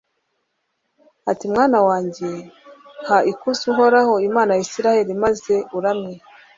ati mwana wanjye, ha ikuzo uhoraho, imana ya israheli, maze umuramye